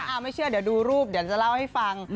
ไม่เชื่อเดี๋ยวดูรูปเดี๋ยวจะเล่าให้ฟัง